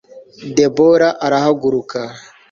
debora arahaguruka